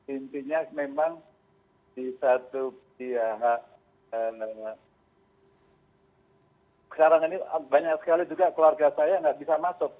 intinya memang di satu pihak sekarang ini banyak sekali juga keluarga saya nggak bisa masuk